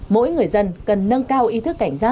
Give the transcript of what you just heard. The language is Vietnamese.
mỗi người dân cần nâng cao ý thức